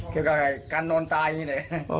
เกี่ยวกับอะไรการโน่นตายอย่างนี้เลย